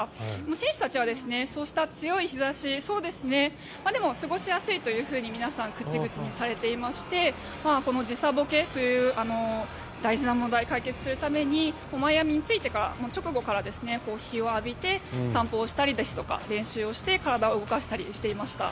選手たちはそうした強い日差しでも、過ごしやすいと皆さん口々にされていましてこの時差ぼけという大事な問題を解決するためにマイアミに着いてから直後から日を浴びて散歩をしたり練習をしたりして体を動かしたりしていました。